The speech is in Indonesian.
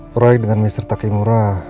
proyek dengan mr takimura